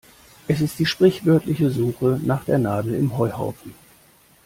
Es ist die sprichwörtliche Suche nach der Nadel im Heuhaufen.